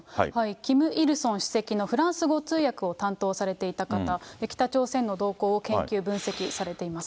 キム・イルソン主席のフランス語通訳を担当されていた方、北朝鮮の動向を研究・分析されています。